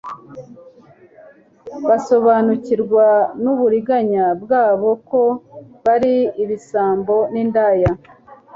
basobanukirwa n'uburiganya bwabo ko bari ibisambo n'indyarya.